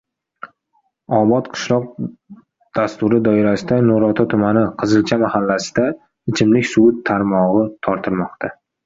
Obod qishloq dasturi doirasida Nurota tumani "Qizilcha" mahallasida ichimlik suvi tarmog‘i tortilmoqda